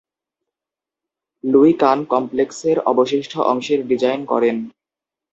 Luis Kahn কমপ্লেক্সের অবশিষ্ট অংশের ডিজাইন করেন।